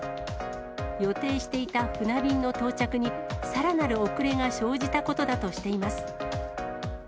予定していた船便の到着にさらなる遅れが生じたことだとしています。